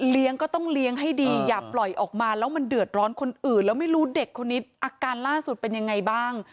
ก็ต้องเลี้ยงให้ดีอย่าปล่อยออกมาแล้วมันเดือดร้อนคนอื่นแล้วไม่รู้เด็กคนนี้อาการล่าสุดเป็นยังไงบ้าง